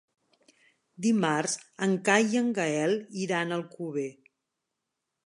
Dimarts en Cai i en Gaël iran a Alcover.